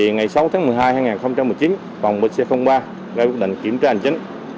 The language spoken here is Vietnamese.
ngày sáu tháng một mươi hai hai nghìn một mươi chín phòng bến xe phong hoa đã quyết định kiểm tra hành chính